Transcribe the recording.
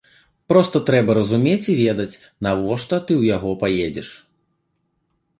Проста трэба разумець і ведаць, навошта ты ў яго паедзеш.